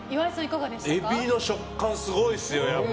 エビの食感、すごいっすね。